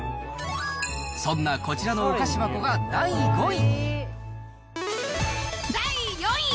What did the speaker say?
そんなこちらのお菓子箱が第５位。